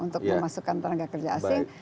untuk memasukkan tenaga kerja asing